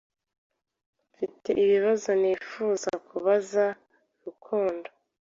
Mfite ibibazo nifuza kubaza Rukundo.